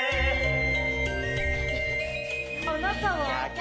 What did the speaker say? あなたは？